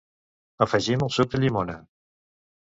Afegim el suc de llimona.